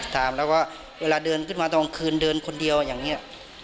ตามแล้วก็เวลาเดินขึ้นมาตอนคืนเดินคนเดียวอย่างนี้